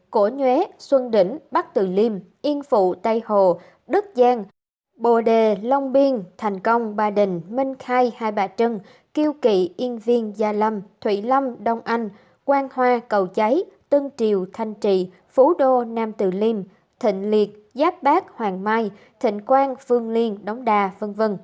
cổ nhuế xuân đỉnh bắc từ liêm yên phụ tây hồ đức giang bồ đề long biên thành công ba đình minh khai hai bà trân kiêu kỵ yên viên gia lâm thủy lâm đông anh quang hoa cầu cháy tân triều thanh trị phú đô nam từ liêm thịnh liệt giáp bát hoàng mai thịnh quang phương liên đống đà v v